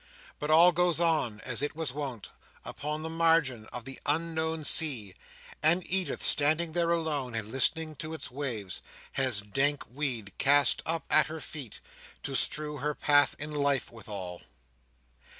But all goes on, as it was wont, upon the margin of the unknown sea; and Edith standing there alone, and listening to its waves, has dank weed cast up at her feet, to strew her path in life withal.